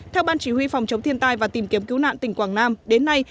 theo ban chỉ huy phòng chống thiên tai và tìm kiếm cứu nạn tỉnh quảng nam đến nay